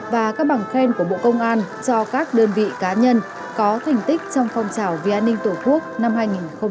và các bằng khen của bộ công an cho các đơn vị cá nhân có thành tích trong phong trào vì an ninh tổ quốc năm hai nghìn hai mươi ba